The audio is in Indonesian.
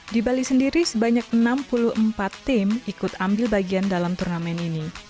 di bali sendiri sebanyak enam puluh empat tim ikut ambil bagian dalam turnamen ini